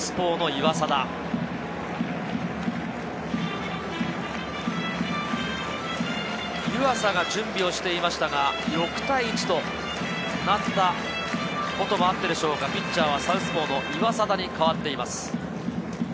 湯浅が準備をしていましたが、６対１となったこともあってでしょうか、ピッチャーはサウスポーの岩貞に代わっています。